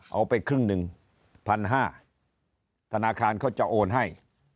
เอาไปครึ่งหนึ่ง๑๕๐๐ธนาคารเขาจะโอนให้